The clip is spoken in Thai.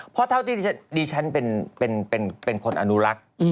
เพราะเท่าที่ดิฉันเป็นคนอนุรักษ์